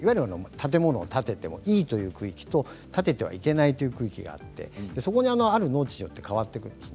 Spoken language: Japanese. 建物を建ててもいいという区域といけない区域があってそこにあるかどうかで変わってくるんです。